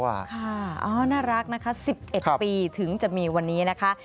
ค่ะอ๋อน่ารักนะคะ๑๑ปีถึงจะมีวันนี้นะคะ